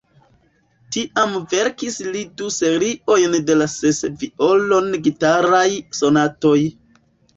Tiam verkis li du seriojn de la ses violon-gitaraj sonatoj.